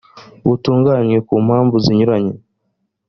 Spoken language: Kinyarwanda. butunganywe ku mpamvu z inyungu